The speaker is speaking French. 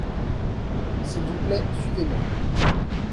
S’il vous plait suivez-moi.